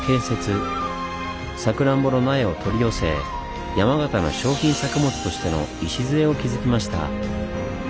サクランボの苗を取り寄せ山形の商品作物としての礎を築きました。